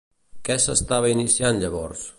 Què s'estava iniciant llavors?